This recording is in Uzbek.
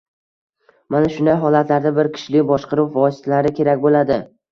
Mana shunday holatlarda bir kishilik boshqaruv vositalari kerak bo’ladi